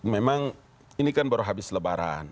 memang ini kan baru habis lebaran